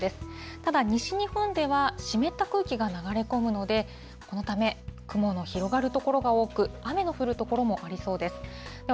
ただ、西日本では湿った空気が流れ込むので、このため、雲の広がる所が多く、雨の降る所もありそうです。